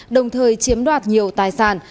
đồng thời chiếm đoạt nhiều tài sản